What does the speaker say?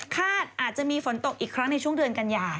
อาจจะมีฝนตกอีกครั้งในช่วงเดือนกันยา